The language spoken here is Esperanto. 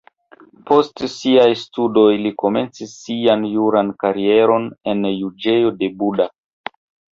Post siaj studoj li komencis sian juran karieron en juĝejo de Buda.